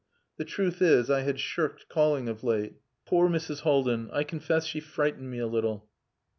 The truth is, I had shirked calling of late. Poor Mrs. Haldin! I confess she frightened me a little.